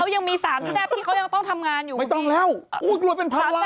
เขายังมีสามแทบที่เขายังต้องทำงานอยู่ที่ไม่ต้องแล้วโอ๊ยรวยเป็นพันล้านขนาดนั้นก็ไปอยู่ทั้งนั้นเลย